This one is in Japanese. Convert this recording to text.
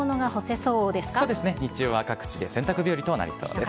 そうですね、日中は各地で洗濯日和となりそうです。